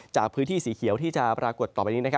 จากพื้นที่สีเขียวที่จะปรากฏต่อไปนี้